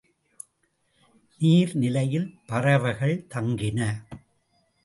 நீர் நிலையில் பறவைகள் தங்கின.